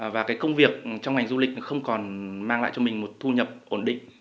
và cái công việc trong ngành du lịch không còn mang lại cho mình một thu nhập ổn định